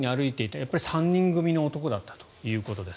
やっぱり３人組の男だったということです。